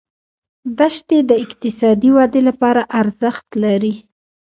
دښتې د اقتصادي ودې لپاره ارزښت لري.